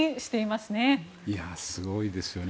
すごいですよね。